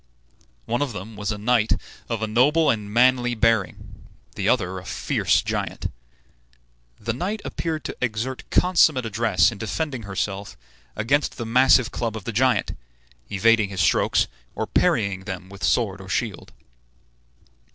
One of them was a knight of a noble and manly bearing, the other a fierce giant. The knight appeared to exert consummate address in defending herself against the massive club of the giant, evading his strokes, or parrying them with sword or shield.